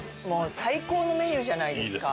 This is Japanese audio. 最高のメニューじゃないですか！